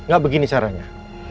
gak begini caranya